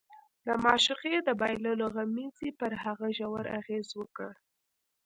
د معشوقې د بایللو غمېزې پر هغه ژور اغېز وکړ